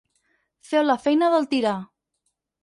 Feu la feina del tirà.